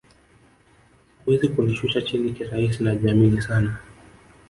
Huwezi kunishusha chini kirahisi najiamini sana